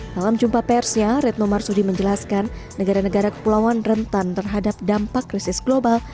dalam jumpa persnya retno marsudi menjelaskan negara negara kepulauan rentan terhadap dampak krisis global